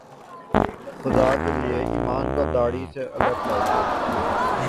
خدا کے لئے ایمان کو داڑھی سے الگ کر دو